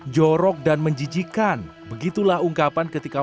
jorok dan menjijikan begitulah ungkapan ketika